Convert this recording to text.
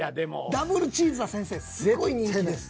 ダブルチーズは先生すごい人気です。